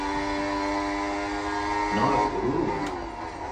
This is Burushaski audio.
naas garuruman